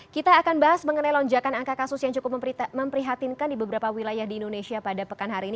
kita akan bahas mengenai lonjakan angka kasus yang cukup memprihatinkan di beberapa wilayah di indonesia pada pekan hari ini